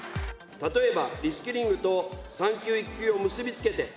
例えば、リスキリングと産休・育休を結び付けて。